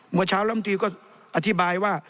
เมื่อเช้าแล้วอาทิบายว่า